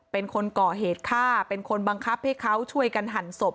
เป็นคนก่อเหตุฆ่าเป็นคนบังคับให้เขาช่วยกันหั่นศพ